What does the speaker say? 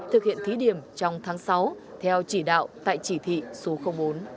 thực hiện thí điểm trong tháng sáu theo chỉ đạo tại chỉ thị số bốn